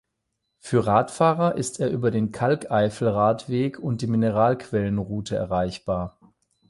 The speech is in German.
Für Radfahrer ist er über den Kalkeifel-Radweg und die Mineralquellen-Route erreichbar.